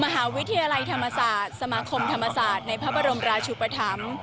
มหาวิทยาลัยธรรมศาสตร์สมาคมธรรมศาสตร์ในพระบรมราชุปธรรม